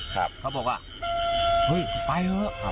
เขาบอกว่าเฮ้ยไปเถอะ